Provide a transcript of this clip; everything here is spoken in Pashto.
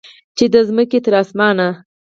چې د مځکې تر اسمانه